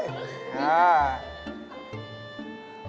อ้าว